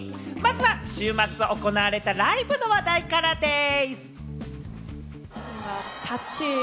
まずは週末行われたライブの話題からです。